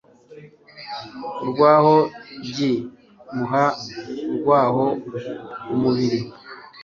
URWAHO Gl muha urwaho umubiri